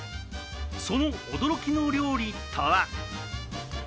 その驚きの料理とは？